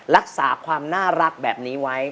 รักษาความน่ารักแบบนี้ไว้